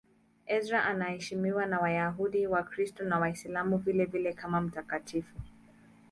Ezra anaheshimiwa na Wayahudi, Wakristo na Waislamu vilevile kama mtakatifu.